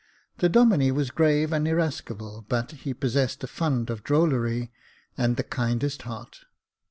The Domine was grave and irascible, but he possessed a fund of drollery and the kindest heart.